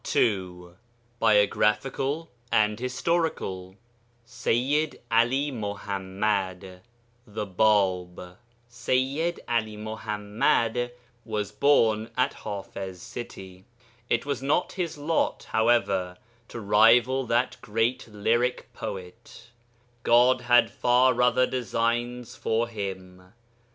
PART II BIOGRAPHICAL AND HISTORICAL SEYYID 'ALI MUḤAMMAD (THE BĀB) Seyyid 'Ali Muḥammad was born at Hafiz' city. It was not his lot, however, to rival that great lyric poet; God had far other designs for him.